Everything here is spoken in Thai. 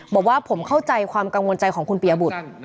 บอกว่าผมเข้าใจความกังวลใจของคุณปียบุตร